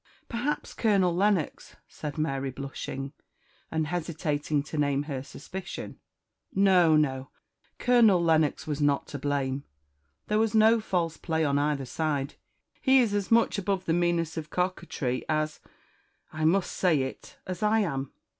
"Perhaps Colonel Lennox," said Mary, blushing, and hesitating to name her suspicion. "No, no Colonel Lennox was not to blame. There was no false play on either side; he is as much above the meanness of coquetry, as I must say it as I am.